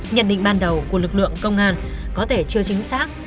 nhận định ban đầu của lực lượng công an có thể chưa chính xác